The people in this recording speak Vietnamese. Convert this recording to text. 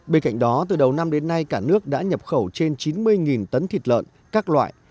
bên cạnh đó từ đầu năm đến nay cả nước đã nhập khẩu trên chín mươi tấn thịt lợn các loại